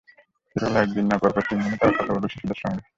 সেটা হলো, একদিন নয়, পরপর তিন দিনই তারা কথা বলবে শিশুদের সঙ্গে।